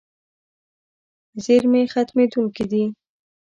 زیرمې ختمېدونکې دي.